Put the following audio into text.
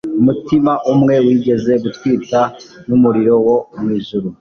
Umutima umwe wigeze gutwita numuriro wo mwijuru;